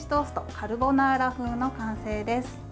カルボナーラ風の完成です。